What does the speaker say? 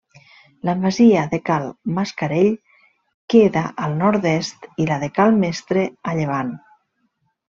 La masia de Cal Mascarell queda al nord-est, i la de Cal Mestre, a llevant.